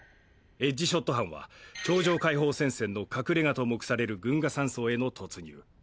エッジショット班は超常解放戦線の隠れ家と目される群訝山荘への突入。